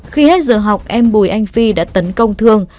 khi hết giờ học em bùi anh phi đã tấn công thương